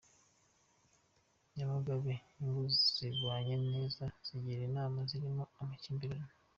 Nyamagabe Ingo zibanye neza zigira inama izirimo amakimbirane